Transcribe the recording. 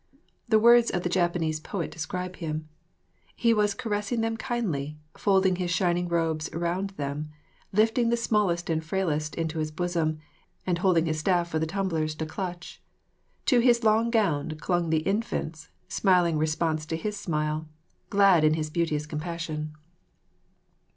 The words of the Japanese poet describe Him: "He was caressing them kindly, folding His shining robes round them; lifting the smallest and frailest into His bosom, and holding His staff for the tumblers to clutch. To His long gown clung the infants, smiling in response to His smile, glad in His beauteous compassion."